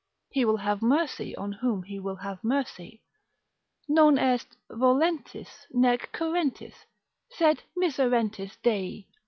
He will have mercy on whom he will have mercy. Non est volentis nec currentis, sed miserentis Dei.